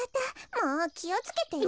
もうきをつけてよ。